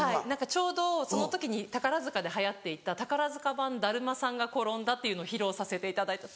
ちょうどその時に宝塚で流行っていた「宝塚版だるまさんが転んだ」っていうのを披露させていただいた。